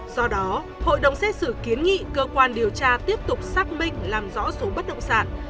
do đó hội đồng xét xử kiến nghị cơ quan điều tra tiếp tục xác minh làm rõ số bất động sản